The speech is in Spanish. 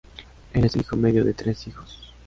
Él es el hijo medio de tres hijos.